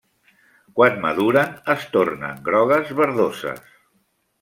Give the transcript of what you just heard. Quan maduren es tornen grogues verdoses.